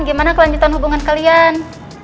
gimana kelanjutan hubungan kalian